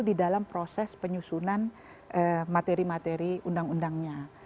di dalam proses penyusunan materi materi undang undangnya